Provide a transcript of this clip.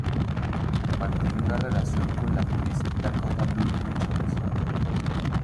Mantiene una relación con la actriz Dakota Blue Richards.